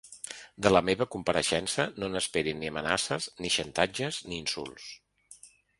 De la meva compareixença, no n’esperin ni amenaces, ni xantatges, ni insults.